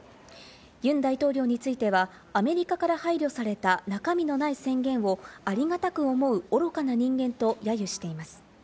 ユン大統領についてはアメリカから配慮された中身のない宣言をありがたく思う愚かな人間とやゆしています。